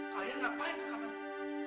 kalian ngapain di kamar